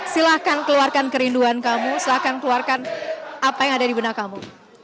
silahkan keluarkan kerinduan kamu silahkan keluarkan apa yang ada di benak kamu